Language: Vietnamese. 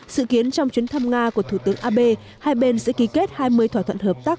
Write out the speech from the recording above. sự kiến trong chuyến thăm nga của thủ tướng abe hai bên sẽ ký kết hai mươi thỏa thuận hợp tác